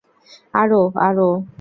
আরও, আরও।